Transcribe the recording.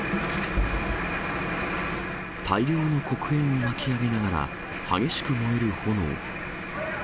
大量の黒煙を巻き上げながら、激しく燃える炎。